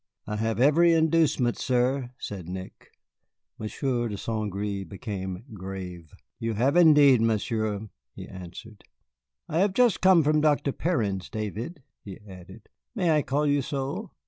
"I have every inducement, sir," said Nick. Monsieur de St. Gré became grave. "You have indeed, Monsieur," he answered. "I have just come from Dr. Perrin's, David," he added, "May I call you so?